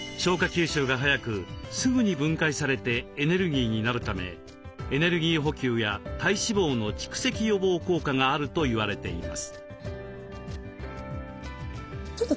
吸収が早くすぐに分解されてエネルギーになるためエネルギー補給や体脂肪の蓄積予防効果があると言われています。